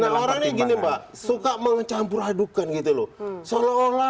nah orangnya gini mbak suka mencampur adukan gitu loh